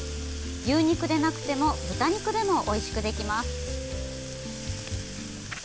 牛肉でなくても豚肉でもおいしくできます。